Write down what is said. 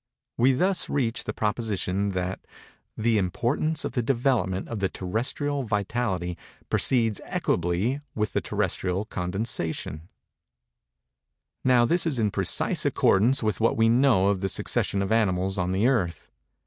We thus reach the proposition that the importance of the development of the terrestrial vitality proceeds equably with the terrestrial condensation. Page 36. Now this is in precise accordance with what we know of the succession of animals on the Earth.